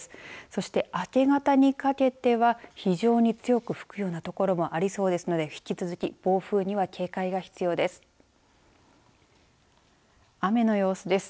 そして、明け方にかけては非常に強く吹くような所もありそうですので引き続き暴風には警戒が必要です。